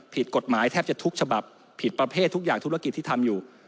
ผิดกฎหมายแทบจะทุกฉบับผิดประเภททุกอย่างธุรกิจที่ทำอยู่